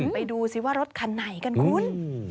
ไปดูซิว่ารถคันไหนกันคุณ